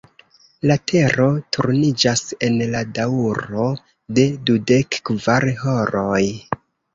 La Tero turniĝas en la daŭro de dudekkvar horoj.